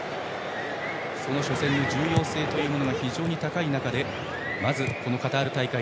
その初戦の重要性というのが非常に高い中でまずカタール大会